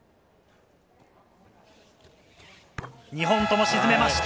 ２本とも沈めました。